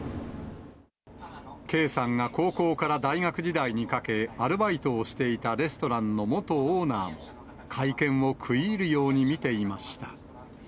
圭さんが高校から大学時代にかけ、アルバイトをしていたレストランの元オーナーも、会見を食い入るように見ていました。